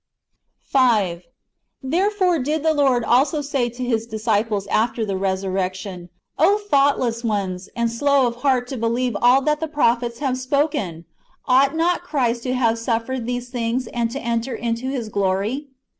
^ 5. Therefore did the Lord also say to His disciples after the resurrection, " O thoughtless ones, and slow of heart to be lieve all that the prophets have spoken ! Ought not Christ to have suffered these things, and to enter into His glory